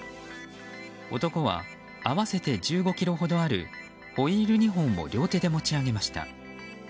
男は合わせて１５ｋｇほどあるホイール２本を両手で持ち上げました。